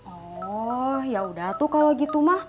oh yaudah tuh kalau gitu mah